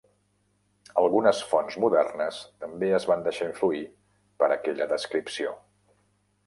Algunes fonts modernes també es van deixar influir per aquella descripció.